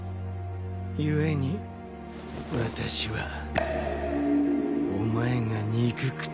故に私はお前が憎くて。